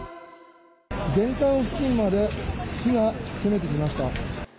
玄関付近まで火が噴き出てきました。